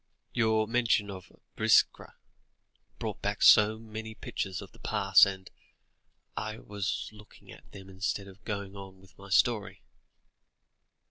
"Your mention of Biskra brought back so many pictures of the past, and I was looking at them instead of going on with my story."